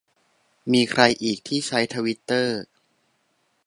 มีใครอีกที่ใช้ทวิตเตอร์